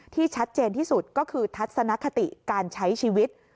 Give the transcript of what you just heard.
ชัดเจนที่สุดก็คือทัศนคติการใช้ชีวิต